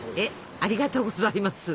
ありがとうございます。